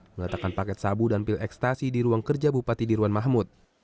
meletakkan paket sabu dan pil ekstasi di ruang kerja bupati di ruan mahmud